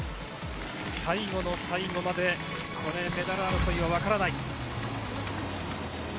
最後の最後まで、これ、メダル争いは分からない。